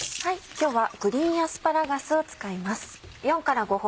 今日はグリーンアスパラガスを使います。